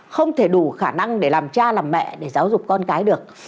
không thể đủ khả năng để làm cha làm mẹ để giáo dục con cái được